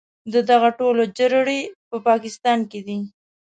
د دغو ټولو جرړې په پاکستان کې دي.